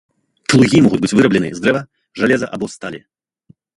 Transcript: Плугі могуць быць выраблены з дрэва, жалеза або сталі.